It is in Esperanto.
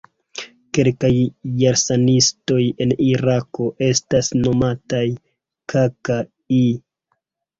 Kelkaj Jarsanistoj en Irako estas nomataj "Kaka'i".